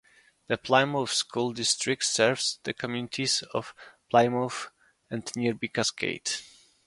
The Plymouth School District serves the communities of Plymouth and nearby Cascade.